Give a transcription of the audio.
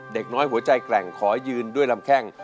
เด็กน้อยหัวใจแกร่งขอยืนด้วยลำแข้ง